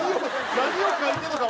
何を描いてるのか。